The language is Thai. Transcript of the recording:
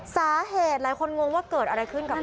สาเหตุหลายคนงงว่าเกิดอะไรขึ้นกับใคร